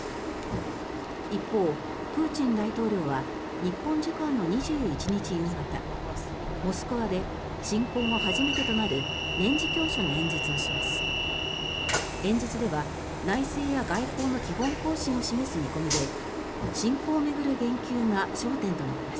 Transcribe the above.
一方、プーチン大統領は日本時間の２１日夕方モスクワで侵攻後初めてとなる年次教書の演説をします。